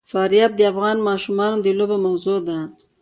فاریاب د افغان ماشومانو د لوبو موضوع ده.